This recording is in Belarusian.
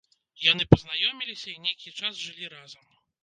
Яны пазнаёміліся і нейкі час жылі разам.